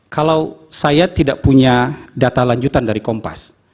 kalau saya tidak punya data lanjutan dari kompas